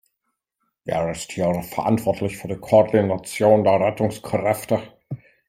Wer ist hier verantwortlich für die Koordination der Rettungskräfte?